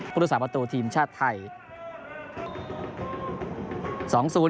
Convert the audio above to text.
ผู้ทดสอบประตูทีมชาติไทย